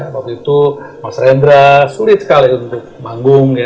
waktu itu mas rendra sulit sekali untuk manggung